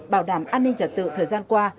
bảo đảm an ninh trật tự thời gian qua